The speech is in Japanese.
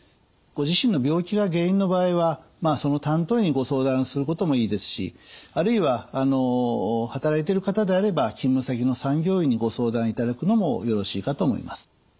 ご自身の病気が原因の場合はその担当医にご相談することもいいですしあるいは働いてる方であれば勤務先の産業医にご相談いただくのもよろしいかと思います。